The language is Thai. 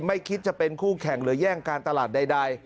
คิดจะเป็นคู่แข่งหรือแย่งการตลาดใด